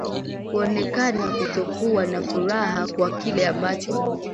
kuonekana kutokuwa na furaha kwa kile ambacho